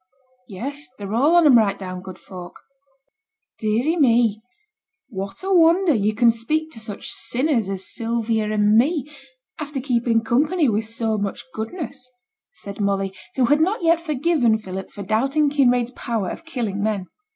'Yes; they're all on 'em right down good folk.' 'Deary me! What a wonder yo' can speak to such sinners as Sylvia and me, after keepin' company with so much goodness,' said Molly, who had not yet forgiven Philip for doubting Kinraid's power of killing men.